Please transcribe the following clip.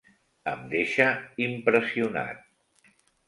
Em deixa impressionat.